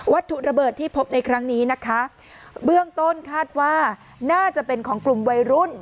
ถุระเบิดที่พบในครั้งนี้นะคะเบื้องต้นคาดว่าน่าจะเป็นของกลุ่มวัยรุ่น